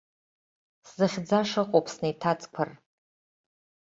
Сзыхьӡаша ыҟоуп, снеиҭаҵқәар.